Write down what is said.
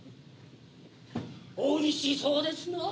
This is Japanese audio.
「おいしそうですなぁ」